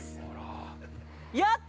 ◆やった！